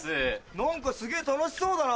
何かすげぇ楽しそうだな。